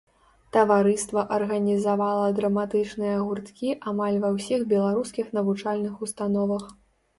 Таварыства арганізавала драматычныя гурткі амаль ва ўсіх беларускіх навучальных установах.